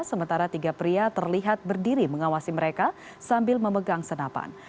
sementara tiga pria terlihat berdiri mengawasi mereka sambil memegang senapan